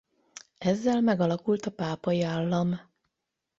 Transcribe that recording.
Ezzel megalakult a Pápai Állam.